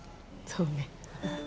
そうね。